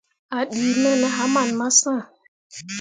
A ɗii me ne haman massh.